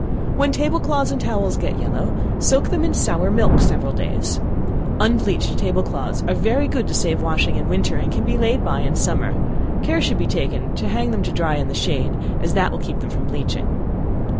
When table cloths and towels get yellow, soak them in sour milk several days. Unbleached table cloths are very good to save washing in winter, and can be laid by in summer, care should be taken to hang them to dry in the shade, as that will keep them from bleaching.